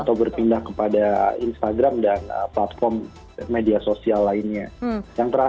atau berpindah kepada instagram dan platform media sosial lainnya